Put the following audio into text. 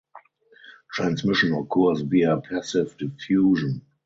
Transmission occurs via passive diffusion.